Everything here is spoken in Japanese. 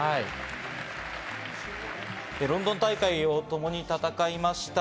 ロンドン大会をともに戦いました。